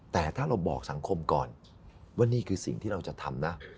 แต่ถ้าเราบอกสังคมก่อนว่านี่คือสิ่งที่เราจะทำนะ